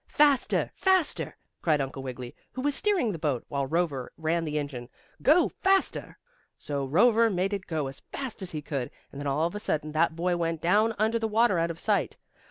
"Faster! Faster!" cried Uncle Wiggily, who was steering the boat, while Rover ran the engine. "Go faster!" So Rover made it go as fast as he could, and then all of a sudden that boy went down under the water, out of sight.